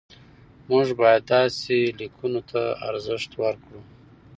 موږ باید داسې لیکنو ته ارزښت ورکړو.